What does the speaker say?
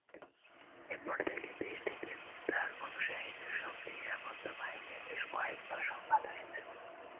এরপর থেকে দেশটিতে তাঁর অনুসারীদের সঙ্গে নিরাপত্তা বাহিনীর বেশ কয়েকবার সংঘাত হয়েছে।